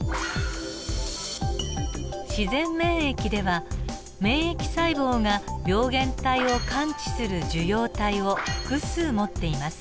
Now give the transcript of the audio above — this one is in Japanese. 自然免疫では免疫細胞が病原体を感知する受容体を複数持っています。